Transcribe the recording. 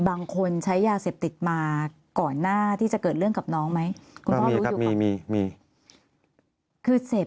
บางคนใช้ยาเสพติดมาก่อนหน้าที่จะเกิดเรื่องกับน้องไหมคุณพ่อรู้อยู่ไหมมีมีคือเสพ